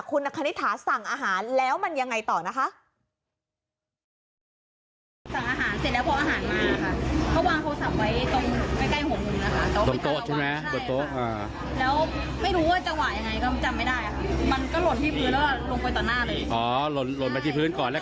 คุณคณิตถาสั่งอาหารแล้วมันยังไงต่อนะคะ